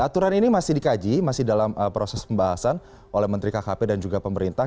aturan ini masih dikaji masih dalam proses pembahasan oleh menteri kkp dan juga pemerintah